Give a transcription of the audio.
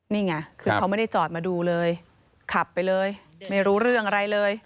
นี่ไงคือเขาไม่ได้จอดมาดูเลยขับไปเลยไม่รู้เรื่องอะไรเลย